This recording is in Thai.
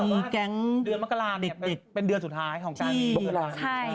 คือแก๊งเดือนมกราดิตเป็นเดือนสุดท้ายของการมกรา